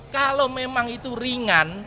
kalau memang itu ringan